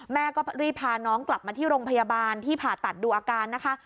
แม่ก็รีบพาน้องกลับมาที่โรงพยาบาลที่ผ่าตัดดูอาการนะคะ